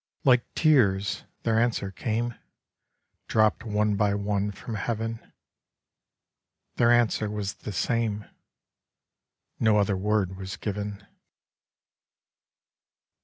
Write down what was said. Like tears their Answer came, Dropt one by one from heaven; Their Answer was the same; No other word was given.